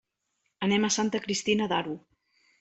Anem a Santa Cristina d'Aro.